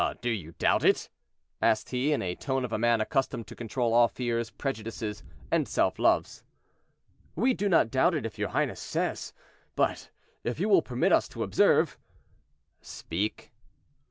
"Do you doubt it?" asked he, in the tone of a man accustomed to control all fears, prejudices, and self loves. "We do not doubt it if your highness says it; but if you will permit us to observe—" "Speak."